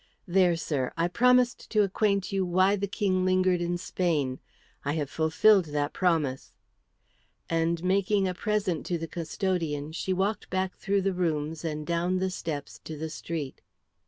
There, sir, I promised to acquaint you why the King lingered in Spain. I have fulfilled that promise;" and making a present to the custodian, she walked back through the rooms and down the steps to the street.